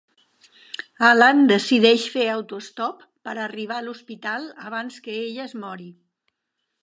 Alan decideix fer autoestop per arribar a l'hospital abans que ella es mori.